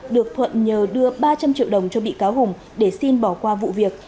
được thuận nhờ đưa ba trăm linh triệu đồng cho bị cáo hùng để xin bỏ qua vụ việc